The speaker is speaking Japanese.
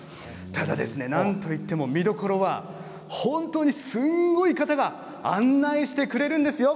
ただなんといっても見どころは本当にすごい方が案内してくれるんですよ